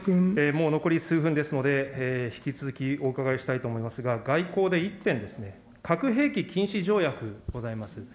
もう残り数分ですので、引き続きお伺いしたいと思いますが、外交で１点ですね、核兵器禁止条約ございます。